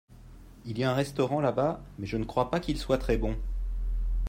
Il y a un restaurant là-bas, mais je ne crois pas qu'il soit très bon.